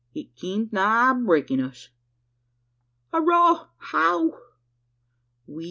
It keemd nigh breakin' us." "Arrah, how?" "We ell!